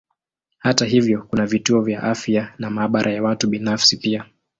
Hata hivyo kuna vituo vya afya na maabara ya watu binafsi pia.